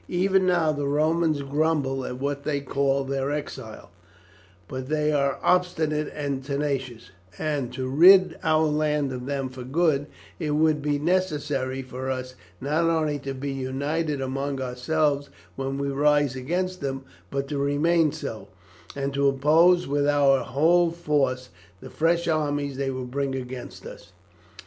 Even now the Romans grumble at what they call their exile, but they are obstinate and tenacious, and to rid our land of them for good it would be necessary for us not only to be united among ourselves when we rise against them, but to remain so, and to oppose with our whole force the fresh armies they will bring against us.